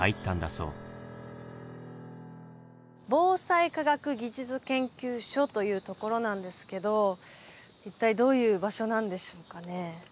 防災科学技術研究所というところなんですけど一体どういう場所なんでしょうかね。